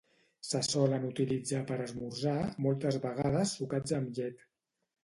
Se solen utilitzar per esmorzar, moltes vegades sucats amb llet.